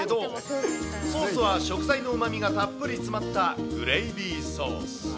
ソースは食材のうまみがたっぷり詰まったグレイビーソース。